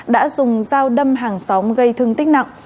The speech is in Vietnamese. đã dùng dao đâm hàng xóm gây thương tích nặng